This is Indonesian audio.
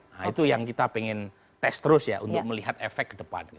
nah itu yang kita ingin tes terus ya untuk melihat efek ke depan